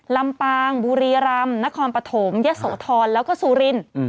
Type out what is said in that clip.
ลำปางบุรีรำนครปฐมยะโสธรแล้วก็สุริน